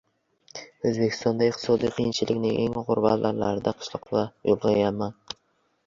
O‘zbekistonda iqtisodiy qiyinchilikning eng og‘ir pallalarida, qishloqda ulg‘ayganman.